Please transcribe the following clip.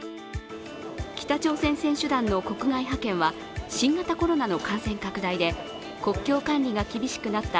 北朝鮮選手団の国外派遣は新型コロナの感染拡大で国境管理が厳しくなった